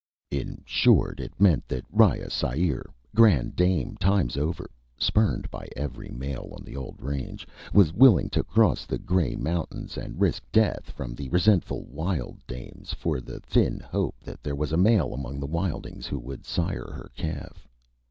In short, it meant that Riya Sair, granddam times over, spurned by every male on the old range, was willing to cross the gray mountains and risk death from the resentful wild dams for the thin hope that there was a male among the wildlings who would sire her calf.